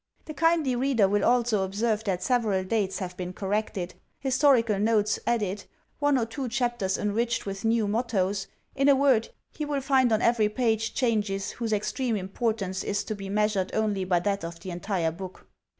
The kindly reader will also observe that several dates have been corrected, historical notes added, one or two chap ters enriched with new mottoes, — in a word, he will find on every page changes whose extreme importance is to be measured only by that of the entire book.